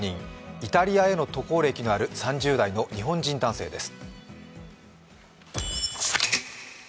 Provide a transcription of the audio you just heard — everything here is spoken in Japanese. イタリアへの渡航歴のある３０代の日本人男性です。